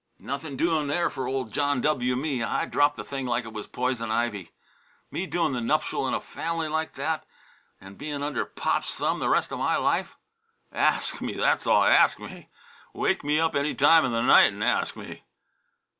nothin' doing there for old John W. me! I dropped the thing like it was poison ivy. Me doin' the nuptial in a family like that, and bein' under Pop's thumb the rest of my life? Ask me, that's all; ask me! Wake me up any time in the night and ask me."